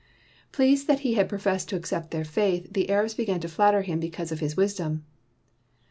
Pleased that he had professed to accept their faith, the Arabs began to flatter him because of his wisdom.